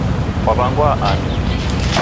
Kwawangwaa ani?